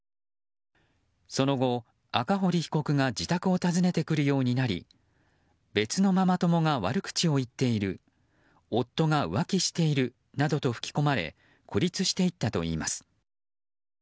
その後、赤堀被告が自宅を訪ねてくるようになり別のママ友が悪口を言っている夫が浮気しているなどと吹き込まれ孤立していったといいます。